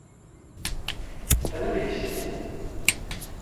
Te nebihîst?